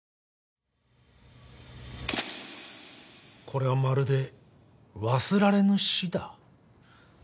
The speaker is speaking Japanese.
これはまるで『忘られぬ死』だ。